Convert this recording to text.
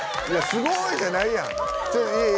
すごいじゃないやん！